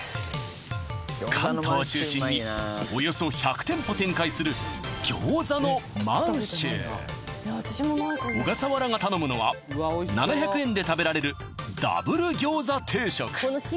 関東を中心におよそ１００店舗展開するぎょうざの満州オガサワラが頼むのは７００円で食べられるダブル餃子定食